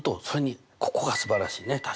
それにここがすばらしいね